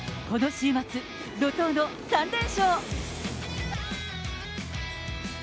この週末、怒とうの３連勝。